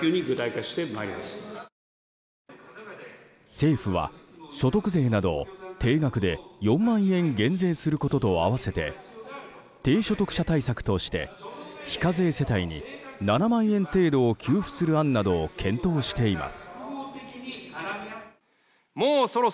政府は、所得税などを定額で４万円減税することと併せて低所得者対策として非課税世帯に７万円程度を給付する案などを検討しています。